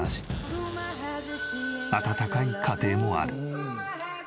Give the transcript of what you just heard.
温かい家庭もある。